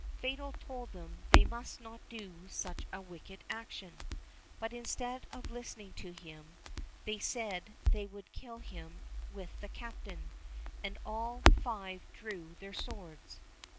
Fatal told them they must not do such a wicked action; but, instead of listening to him, they said they would kill him with the Captain, and all five drew their swords.